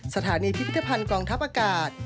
พิพิธภัณฑ์กองทัพอากาศ